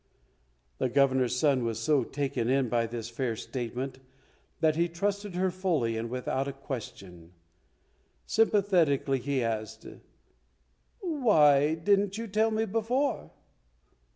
The Governor's son was so taken in by this fair statement that he trusted her fully and without a question. Sympathetically he asked, "Why didn't you tell me before?"